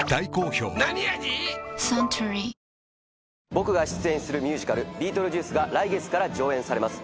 僕が出演するミュージカル『ビートルジュース』が来月から上演されます。